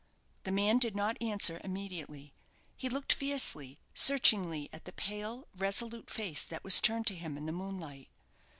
The man did not answer immediately. He looked fiercely, searchingly, at the pale, resolute face that was turned to him in the moonlight.